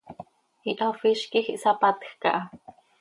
Ihafíz quij ihsapatjc aha.